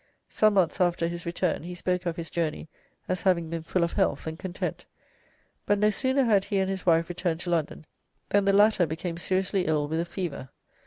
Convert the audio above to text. Some months after his return he spoke of his journey as having been "full of health and content," but no sooner had he and his wife returned to London than the latter became seriously ill with a fever.